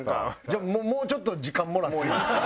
じゃあもうちょっと時間もらっていいですか？